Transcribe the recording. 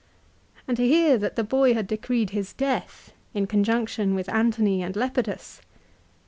And to hear that the boy had decreed his death in conjunction with Antony and Lepidus !